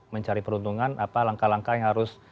mencari peruntungan apa langkah langkah yang harus